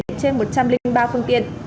trên một trăm linh ba phương tiện